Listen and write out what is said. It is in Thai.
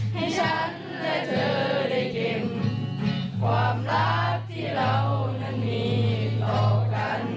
ให้ฉันและเธอได้เห็นความรักที่เรานั้นมีต่อกัน